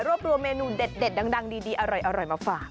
รวบรวมเมนูเด็ดดังดีอร่อยมาฝาก